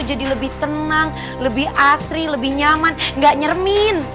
jadi lebih tenang lebih asri lebih nyaman gak nyermin